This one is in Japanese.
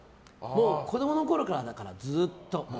子供のころから、ずっと。